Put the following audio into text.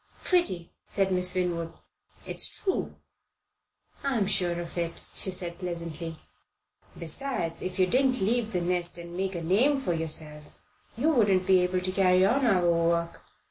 "Pretty,"' said Miss Winwood. "It's true." "I'm sure of it," she said pleasantly. "Besides, if you didn't leave the nest and make a name for yourself, you wouldn't be able to carry on our work.